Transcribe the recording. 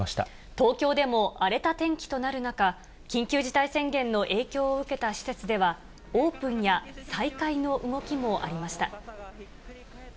東京でも荒れた天気となる中、緊急事態宣言の影響を受けた施設では、オープンや再開の動きもありました。